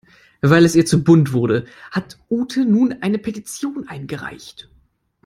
Weil es ihr zu bunt wurde, hat Ute nun eine Petition eingereicht.